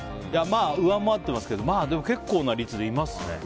上回ってますけど結構な率でいますね。